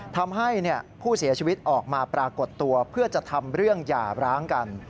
ทำให้ผู้เสียชีวิตออกมาปรากฏตัวเพื่อจะทำเรื่องหย่าร้างกัน